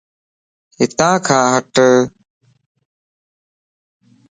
اتا کان ھٽ